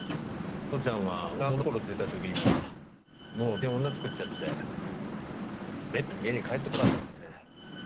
父ちゃんは俺が物心ついたときにはもう別に女作っちゃっててめったに家に帰ってこなかったんだよね。